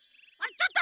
ちょっと！